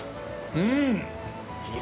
うん！